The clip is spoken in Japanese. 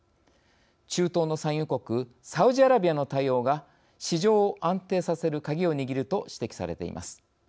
中東の産油国サウジアラビアの対応が市場を安定させるカギを握ると指摘されています。